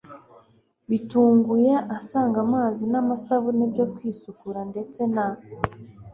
bitunguye ahasanga amazi n'amasabune byo kwisukura ndetse na